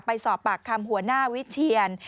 ไปสอบปากคำหัวหน้าวิเชียน